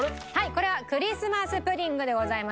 これはクリスマス・プディングでございます。